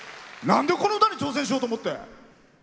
なんでこの歌に挑戦しようと思って？